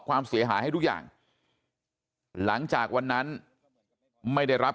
ความเสียหายให้ทุกอย่างหลังจากวันนั้นไม่ได้รับ